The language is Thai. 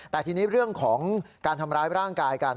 แต่ทีนี้เรื่องของการทำร้ายร่างกายกัน